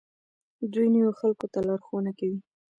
دوی نویو خلکو ته لارښوونه کوي.